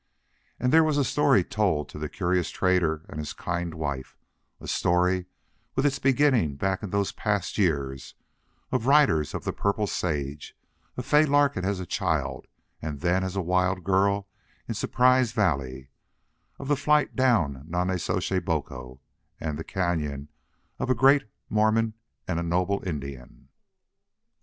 And there was a story told to the curious trader and his kind wife a story with its beginning back in those past years, of riders of the purple sage, of Fay Larkin as a child and then as a wild girl in Surprise Valley, of the flight down Nonnezoshe Boco an the cañon, of a great Mormon and a noble Indian.